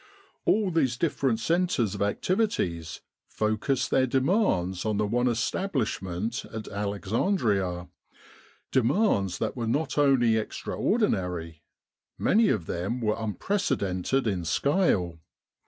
All these different centres of activities focused their demands on the one establishment at Alexandria demands that were not only extraordinary : many of them were unprecedented in scale.